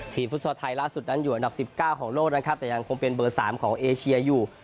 ฟุตซอลไทยล่าสุดนั้นอยู่อันดับ๑๙ของโลกนะครับแต่ยังคงเป็นเบอร์๓ของเอเชียอยู่